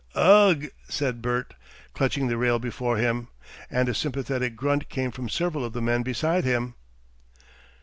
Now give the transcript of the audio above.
"Ugh!" said Bert, clutching the rail before him, and a sympathetic grunt came from several of the men beside him.